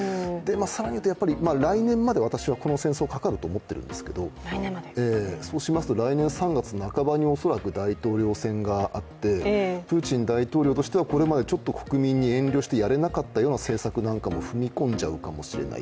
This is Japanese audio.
更にいうと、私は来年までこの戦争かかると思っているんですけれどもそうしますと来年３月半ばに恐らく大統領選があってプーチン大統領としてはこれまで国民に遠慮してやれなかった政策なんかも踏み込んじゃうかもしれない。